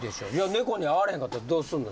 猫に会われへんかったらどうすんの？